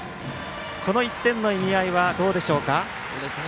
この１点の意味合いはどうでしょうか。